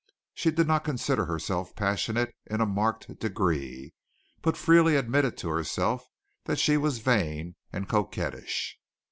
She did not consider herself passionate in a marked degree, but freely admitted to herself that she was vain and coquettish.